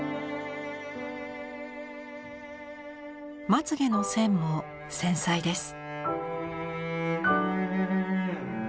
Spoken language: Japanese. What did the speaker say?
まつげの線も繊細です。